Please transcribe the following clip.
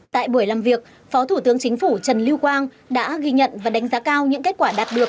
tại buổi làm việc phó thủ tướng chính phủ trần lưu quang đã ghi nhận và đánh giá cao những kết quả đạt được